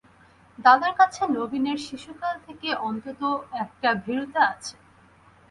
দাদার কাছে নবীনের শিশুকাল থেকে অত্যন্ত একটা ভীরুতা আছে।